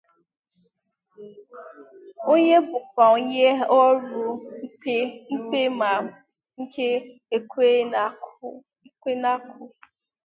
onye bụkwa onye ọrụ ikpe ma nke ekwe na-akụ